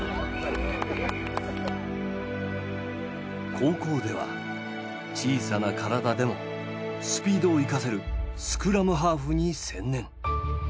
高校では小さな体でもスピードを生かせるスクラムハーフに専念。